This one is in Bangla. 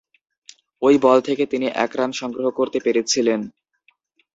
ঐ বল থেকে তিনি এক রান সংগ্রহ করতে পেরেছিলেন।